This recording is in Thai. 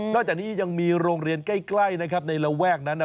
จากนี้ยังมีโรงเรียนใกล้นะครับในระแวกนั้นน่ะ